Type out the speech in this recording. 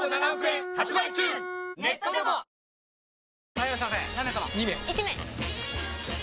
はいいらっしゃいませ！